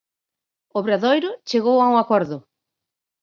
Obradoiro chegou a un acordo.